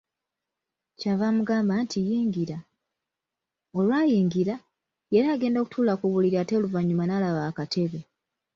Kyava amugamba nti, “yingira.” Olwayingira, yali agenda okutuula ku buliri ate oluvannyuma n'alaba akatebe.